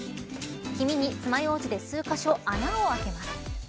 黄身に、つまようじで数箇所、穴を開けます。